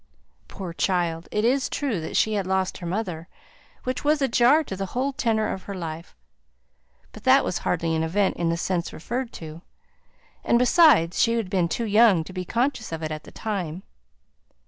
Poor child! it is true that she had lost her mother, which was a jar to the whole tenour of her life; but that was hardly an event in the sense referred to; and besides, she had been too young to be conscious of it at the time.